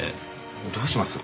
どうします？